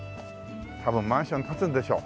多分マンション建つんでしょう。